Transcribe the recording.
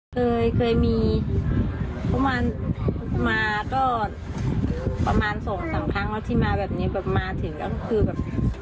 เคยเคยมีประมาณมาก็ประมาณสองสามครั้งแล้วที่มาแบบนี้แบบมาถึงก็คือแบบ